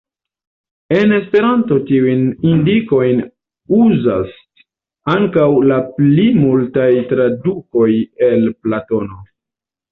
En Esperanto tiujn indikojn uzas ankaŭ la pli multaj tradukoj el Platono.